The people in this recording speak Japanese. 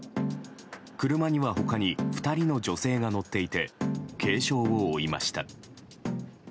車には他に２人の女性が乗っていて軽傷を負いました。